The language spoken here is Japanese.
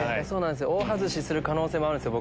大外しする可能性もあるんですよ